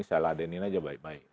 saya ladenin aja baik baik